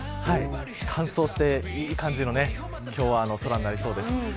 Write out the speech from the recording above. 乾燥して、いい感じの空になりそうです。